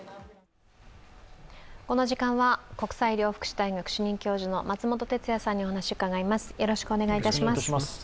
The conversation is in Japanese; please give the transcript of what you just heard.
この時間は国際医療福祉大学主任教授の松本哲哉さんにお話を伺います。